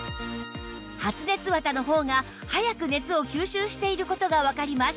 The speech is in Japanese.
発熱綿の方が早く熱を吸収している事がわかります